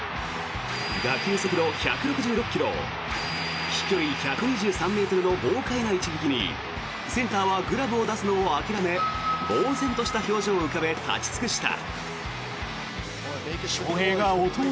打球速度１６６ｋｍ飛距離１２３ｍの豪快な一撃にセンターはグラブを出すのを諦めぼうぜんとした表情を浮かべ立ち尽くした。